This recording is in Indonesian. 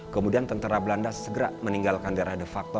kemudian tentara belanda segera meninggalkan daerah de facto